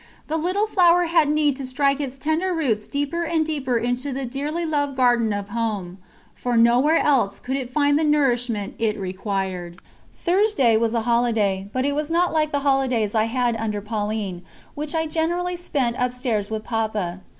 The Little Flower had need to strike its tender roots deeper and deeper into the dearly loved garden of home, for nowhere else could it find the nourishment it required. Thursday was a holiday, but it was not like the holidays I had under Pauline, which I generally spent upstairs with Papa.